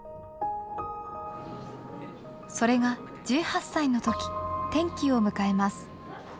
それが１８歳の時転機を迎えます。